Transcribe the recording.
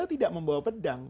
dia tidak membawa pedang